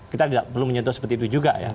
kita belum menyentuh seperti itu juga ya